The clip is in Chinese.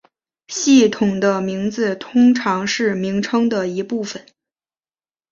系统的名字通常是名称的一部分。